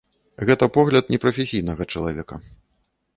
Гэта погляд непрафесійнага чалавека.